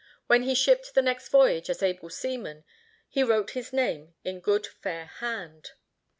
When he shipped the next voyage as able seaman, he wrote his name in good fair hand.